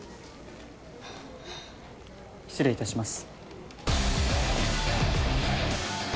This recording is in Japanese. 失礼いたします。